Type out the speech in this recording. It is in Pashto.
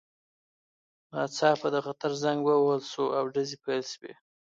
ناڅاپه د خطر زنګ ووهل شو او ډزې پیل شوې